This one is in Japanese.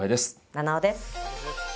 菜々緒です